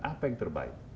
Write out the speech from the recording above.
apa yang terbaik